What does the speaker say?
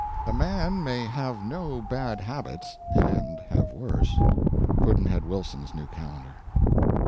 A man may have no bad habits and have worse. Pudd'nhead Wilson's New Calendar.